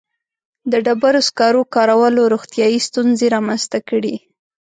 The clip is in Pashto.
• د ډبرو سکرو کارولو روغتیایي ستونزې رامنځته کړې.